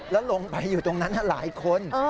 แล้วลงไปอยู่ตรงนั้นหลายคน